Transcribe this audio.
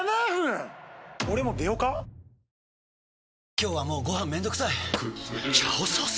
今日はもうご飯めんどくさい「炒ソース」！？